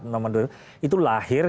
nomor dua itu lahir